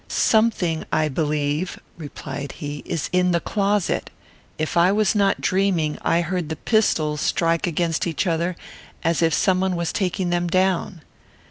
"Something, I believe," replied he, "in the closet. If I was not dreaming, I heard the pistols strike against each other as if some one was taking them down."